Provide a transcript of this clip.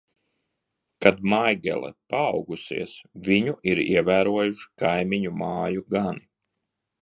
Kad Maigele paaugusies, viņu ir ievērojuši kaimiņu māju gani.